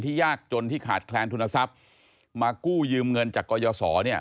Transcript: ยากจนที่ขาดแคลนทุนทรัพย์มากู้ยืมเงินจากกรยศรเนี่ย